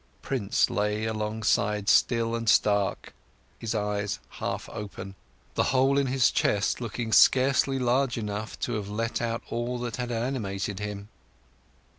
Prince lay alongside, still and stark; his eyes half open, the hole in his chest looking scarcely large enough to have let out all that had animated him.